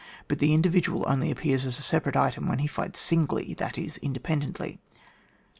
But the indi vidual only appears as a separate item when he fights singly, that is, indepen dently. 24.